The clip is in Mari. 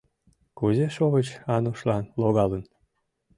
Кузе шовыч Анушлан логалын?